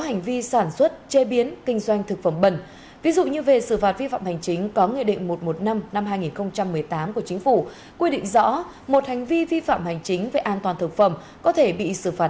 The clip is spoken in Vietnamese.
hãy đăng ký kênh để nhận thông tin nhất